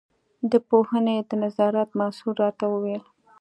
د پوهنې د نظارت مسوول راته وویل.